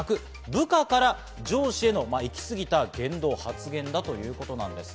部下から上司への行き過ぎた言動・発言だということです。